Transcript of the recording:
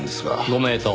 ご名答。